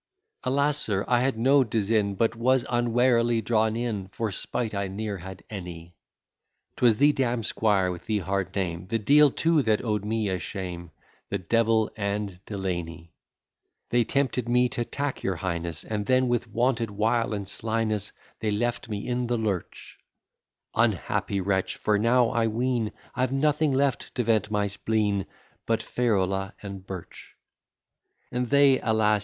Alas! sir, I had no design, But was unwarily drawn in; For spite I ne'er had any; 'Twas the damn'd squire with the hard name; The de'il too that owed me a shame, The devil and Delany; They tempted me t' attack your highness, And then, with wonted wile and slyness, They left me in the lurch: Unhappy wretch! for now, I ween, I've nothing left to vent my spleen But ferula and birch: And they, alas!